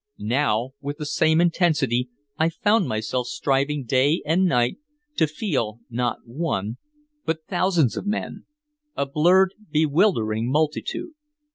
Now with the same intensity I found myself striving day and night to feel not one but thousands of men, a blurred bewildering multitude.